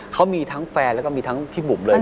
เขามีทั้งแฟนแล้วก็มีทั้งพี่บุ๋มเลย